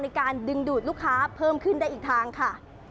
ในการดึงดูดลูกค้าเพิ่มขึ้นได้อีกทางค่ะ